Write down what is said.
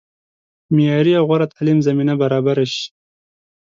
معیاري او غوره تعلیم زمینه برابره شي.